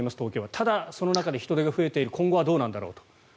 ただ、その中で人出が増えている今後はどうなんだろうと。